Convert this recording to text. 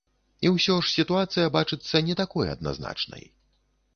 І ўсё ж, сітуацыя бачыцца не такой адназначнай.